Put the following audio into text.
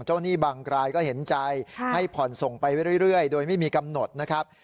หนี้บางรายก็เห็นใจให้ผ่อนส่งไปเรื่อยโดยไม่มีกำหนดนะครับ